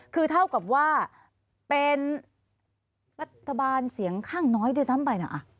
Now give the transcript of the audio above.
คือเท่ากับว่าเป็นรัฐบาลเสียงข้างน้อยด้วยซ้ำไปนะ